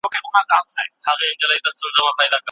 خاوند ټولي مسئلې له کومه ځايه نقل کړي دي؟